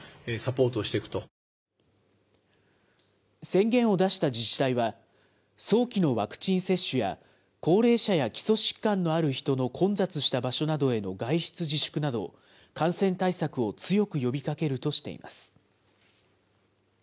宣言を出した自治体は、早期のワクチン接種や高齢者や基礎疾患のある人の混雑した場所などへの外出自粛など、感染対策を強く呼びかけるとしています。